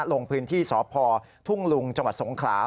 ลงพื้นที่สพทุ่งลุงจสงขา